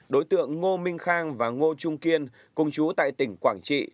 đối tượng ngô minh khang và ngô trung kiên công chú tại tỉnh quảng trị